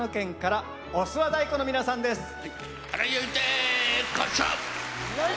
はい！